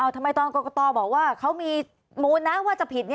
ทำไมตอนกรกตบอกว่าเขามีมูลนะว่าจะผิด